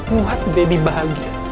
buat daddy bahagia